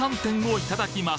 いただきます。